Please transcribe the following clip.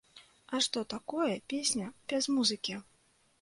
А што такое песня без музыкі?